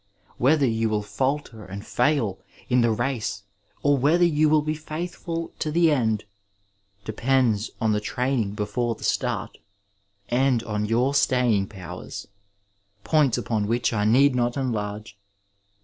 Whether you will falter and fail in the race or whether you will be faithful to the end depends on the training before the start, and on your staying powers, points upon which I need not enlarge.